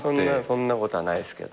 そんなことはないですけど。